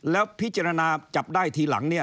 แล้วพิจารณาจับได้ทีหลังเนี่ย